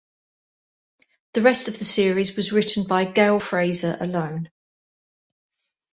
The rest of the series was written by Gail Frazer alone.